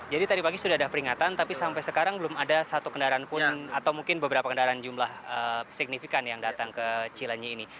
jadi tadi pagi sudah ada peringatan tapi sampai sekarang belum ada satu kendaraan pun atau mungkin beberapa kendaraan jumlah signifikan yang datang ke cilinyi ini